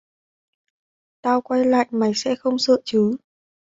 Tao quay lại mày sẽ không sợ chứ